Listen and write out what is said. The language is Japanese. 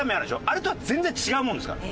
あれとは全然違うものですから。